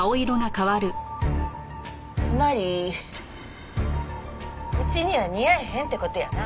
つまりうちには似合えへんって事やな？